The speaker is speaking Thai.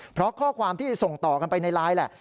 เพราะข้อความที่ส่งต่อกันไปในไลน์แหละ